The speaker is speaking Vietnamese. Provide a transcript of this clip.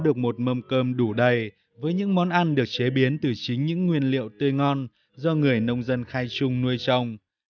được một mâm cơm đủ đầy với những món ăn được chế biến từ chính những nguyên liệu tươi ngon do người nông dân khai trung nuôi trồng